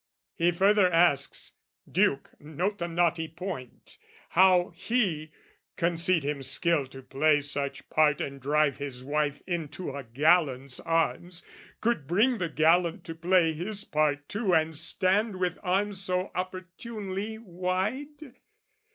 He further asks Duke, note the knotty point! How he, concede him skill to play such part And drive his wife into a gallant's arms, Could bring the gallant to play his part too And stand with arms so opportunely wide?